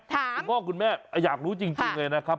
คุณพ่อคุณแม่อยากรู้จริงเลยนะครับ